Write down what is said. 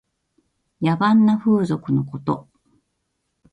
野蛮な風俗のこと。